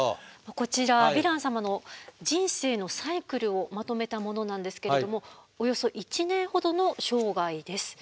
こちらヴィラン様の人生のサイクルをまとめたものなんですけれどもおよそ１年ほどの生涯です。